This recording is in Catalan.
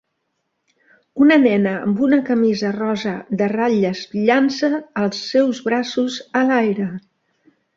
Una nena amb una camisa rosa de ratlles llança els seus braços a l'aire